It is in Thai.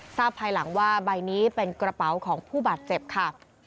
ภายหลังว่าใบนี้เป็นกระเป๋าของผู้บาดเจ็บค่ะ